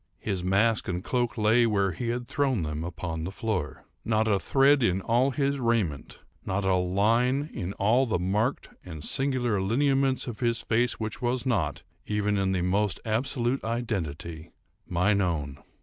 His mask and cloak lay, where he had thrown them, upon the floor. Not a thread in all his raiment—not a line in all the marked and singular lineaments of his face which was not, even in the most absolute identity, mine own!